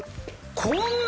こんな！